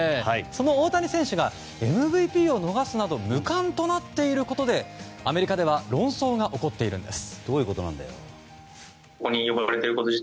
その大谷選手がＭＶＰを逃すなど無冠となっていることでアメリカでは論争が起こっているんです。